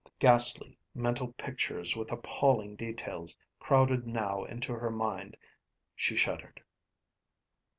Ghastly mental pictures with appalling details crowded now into her mind. She shuddered.